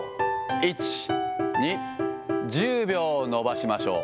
１、２、１０秒伸ばしましょう。